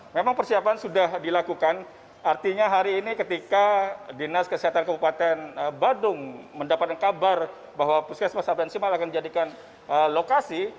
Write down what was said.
memang persiapan sudah dilakukan artinya hari ini ketika dinas kesehatan kabupaten badung mendapatkan kabar bahwa puskesmas abensi mal akan dijadikan lokasi